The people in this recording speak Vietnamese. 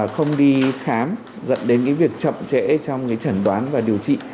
không đi khám dẫn đến việc chậm trễ trong chẩn đoán và điều trị